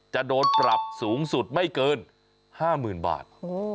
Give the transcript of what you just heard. จะโดนปรับสูงสุดไม่เกิน๕๐๐๐บาท